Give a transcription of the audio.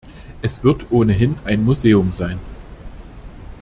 Es wird ohnehin ein Museum sein.